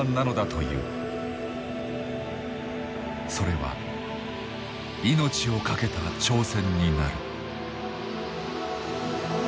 それは命をかけた挑戦になる。